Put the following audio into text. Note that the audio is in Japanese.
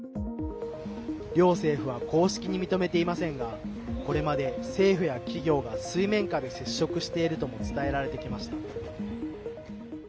両政府は公式に認めていませんがこれまで政府や企業が水面下で接触しているとも伝えられてきました。